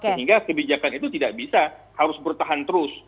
sehingga kebijakan itu tidak bisa harus bertahan terus